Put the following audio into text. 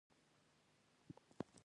هیلۍ د آرام طبیعت لرونکې ده